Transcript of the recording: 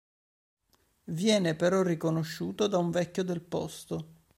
Viene però riconosciuto da un vecchio del posto.